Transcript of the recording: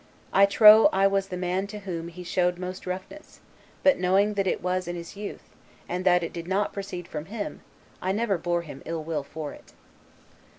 I trow I was the man to whom he showed most roughness; but knowing that it was in his youth, and that it did not proceed from him, I never bore him ill will for it."